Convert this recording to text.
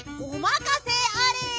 おまかせあれ。